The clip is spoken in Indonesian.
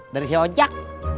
dari si ojak